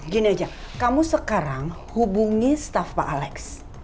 gini aja kamu sekarang hubungi staf pak alex